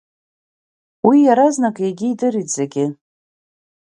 Уи иаразнак иагьидырит зегьы.